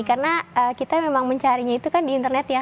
karena kita memang mencarinya itu kan di internet ya